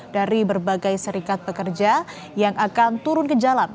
dari berbagai serikat pekerja yang akan turun ke jalan